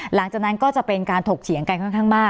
หลังจากนั้นก็จะเป็นการถกเถียงกันค่อนข้างมาก